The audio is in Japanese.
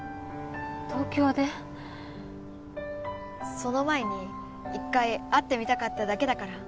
その前に一回会ってみたかっただけだから